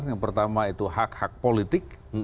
yang pertama itu hak hak politik